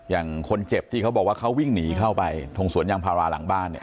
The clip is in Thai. อย่างคนเจ็บที่เขาบอกว่าเขาวิ่งหนีเข้าไปตรงสวนยางพาราหลังบ้านเนี่ย